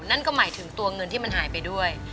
นั่นก็หมายถึงตัวเงินที่มันหายไปด้วย